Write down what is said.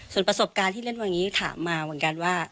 ส่วนประสบการณ์ที่เล่นวันนี้ถามมาเหมือนกันว่า